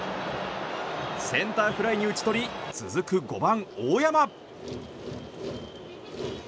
センターフライに打ち取り続く５番、大山。